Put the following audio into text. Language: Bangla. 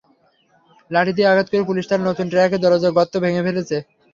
লাঠি দিয়ে আঘাত করে পুলিশ তাঁর নতুন ট্রাকের দরজায় গর্ত করে ফেলেছে।